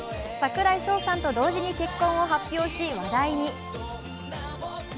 櫻井翔さんと同時に結婚を発表し話題に。